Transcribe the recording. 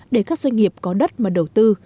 để các doanh nghiệp có đất mà đầu tư